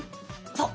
そう！